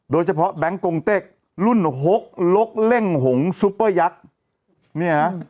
โดยเฉพาะแบงก์โกงเต็กรุ่นหกลกเล่งหงูซุปเปอร์ยักษ์เนี่ย